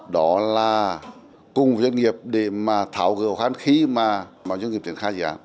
đó là cùng với doanh nghiệp để mà thảo gỡ khoản khí mà doanh nghiệp tiến khai dự án